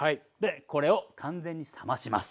これを完全に冷まします。